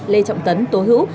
lê trọng tấn tố hữu